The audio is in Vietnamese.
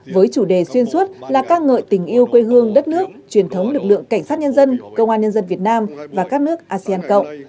với chủ đề xuyên suốt là ca ngợi tình yêu quê hương đất nước truyền thống lực lượng cảnh sát nhân dân công an nhân dân việt nam và các nước asean cộng